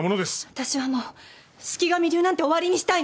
私はもう四鬼神流なんて終わりにしたいのよ！